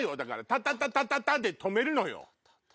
タタタタタタ！で止めるのよ。